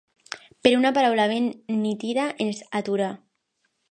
Però una paraula ben nítida ens atura.